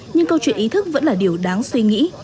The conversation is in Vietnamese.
nhưng câu chuyện ý thức vẫn là điều đáng suy nghĩ